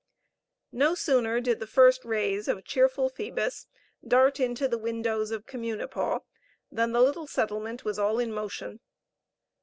No sooner did the first rays of cheerful Phoebus dart into the windows of Communipaw than the little settlement was all in motion.